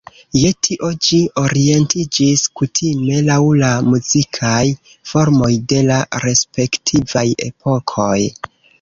Je tio ĝi orientiĝis kutime laŭ la muzikaj formoj de la respektivaj epokoj.